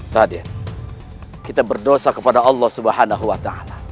tadi kita berdosa kepada allah swt